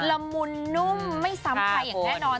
ละมุนนุ่มไม่ซ้ำใครอย่างแน่นอน